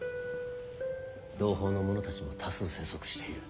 同胞の者たちも多数生息している。